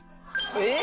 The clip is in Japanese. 「えっ！？」